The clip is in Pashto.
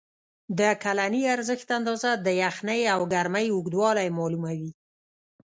د کلني اورښت اندازه، د یخنۍ او ګرمۍ اوږدوالی معلوموي.